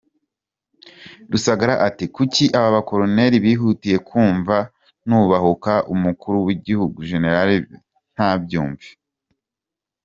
Rusagara Ati “…kuki aba ba koloneri bihutiye kumva nubahuka umukuru w’igihugu General ntabyumve?”.